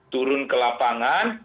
turun ke lapangan